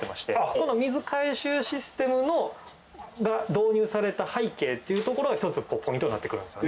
この水回収システムが導入された背景っていうところが１つポイントになってくるんですよね。